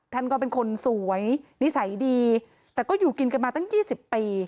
ท่านก็เป็นคนสวยนิสัยดีแต่ก็อยู่กินกันมาตั้ง๒๐ปี